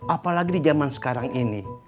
apalagi di jaman sekarang ini